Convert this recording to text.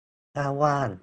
ถ้าว่าง